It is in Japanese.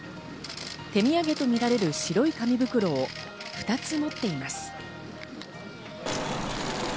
手土産とみられる白い紙袋を２つ持っています。